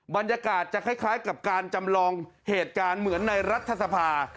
บรรยากาศจะคล้ายกับการจำลองเหตุการณ์เหมือนในรัฐสภา